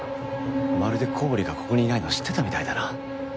まるで古堀がここにいないの知ってたみたいだな。